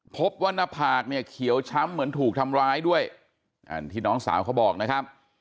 พบว่าหน้าผากเนี่ยเขียวช้ำเหมือนถูกทำร้ายด้วยอันที่น้องสาวเขาบอกนะครับ